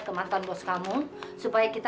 ke mantan bos kamu supaya kita